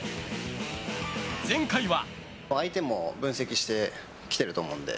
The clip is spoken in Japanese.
前回は。